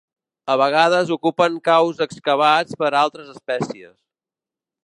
A vegades ocupen caus excavats per altres espècies.